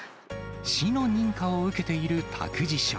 市の認可を受けている託児所。